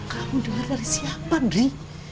kamu dengar dari siapa dri